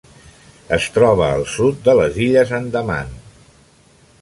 Es troba al sud de les Illes Andaman.